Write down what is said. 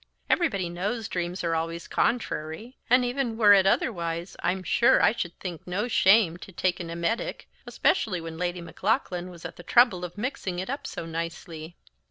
"Everybody knows dreams are always contrary; and even were it otherwise, I'm sure I should think no shame to take an emetic, especially when Lady Maclaughlan was at the trouble of mixing it up so nicely."